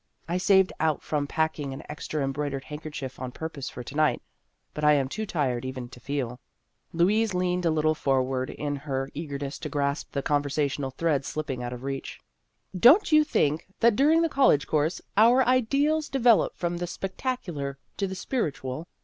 " I saved out from pack ing an extra embroidered handkerchief on purpose for to night, but I am too tired even to feel." Louise leaned a little forward in her The Ghost of Her Senior Year 229 eagerness to grasp the conversational thread slipping out of reach. " Don't you think that during the college course our ideals develop from the spectacular to the spiritual